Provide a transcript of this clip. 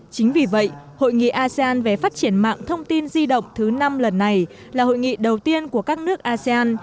chính vì vậy hội nghị asean về phát triển mạng thông tin di động thứ năm lần này là hội nghị đầu tiên của các nước asean